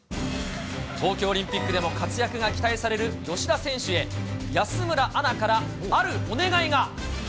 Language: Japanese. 東京オリンピックでも活躍が期待される吉田選手へ、安村アナからあるお願いが。